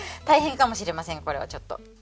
大変かもしれませんこれはちょっと。